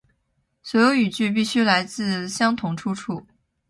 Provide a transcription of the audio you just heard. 所有语句必须来自相同出处